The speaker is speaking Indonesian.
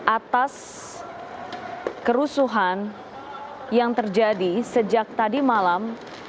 atas kerusuhan yang terjadi sejak tadi malam